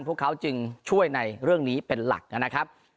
พวกเขาจึงช่วยในเรื่องนี้เป็นหลักนะครับ